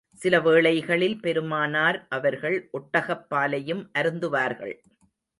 சில வேளைகளில், பெருமானார் அவர்கள் ஒட்டகப் பாலையும் அருந்துவார்கள்.